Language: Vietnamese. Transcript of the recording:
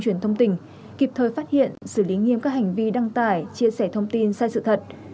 truyền thông tỉnh kịp thời phát hiện xử lý nghiêm các hành vi đăng tải chia sẻ thông tin sai sự thật